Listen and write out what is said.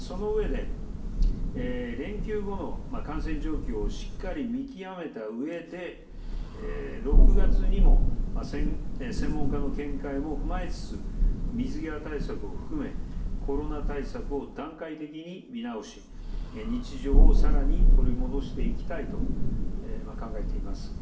その上で、連休後の感染状況をしっかり見極めたうえで、６月にも専門家の見解も踏まえつつ、水際対策を含め、コロナ対策を段階的に見直し、日常をさらに取り戻していきたいと考えています。